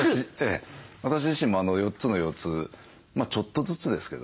私自身も４つの腰痛ちょっとずつですけどね。